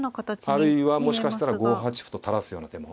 あるいはもしかしたら５八歩と垂らすような手も。